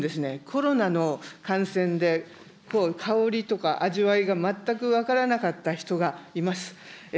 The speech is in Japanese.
コロナの感染で、香りとか味わいが全く分からなかった人がいます。